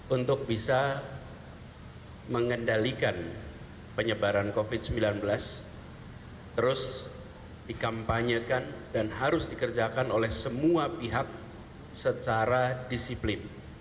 untuk bisa mengendalikan penyebaran covid sembilan belas terus dikampanyekan dan harus dikerjakan oleh semua pihak secara disiplin